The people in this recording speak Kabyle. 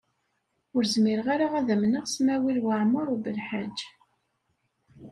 Ur zmireɣ ara ad amneɣ Smawil Waɛmaṛ U Belḥaǧ.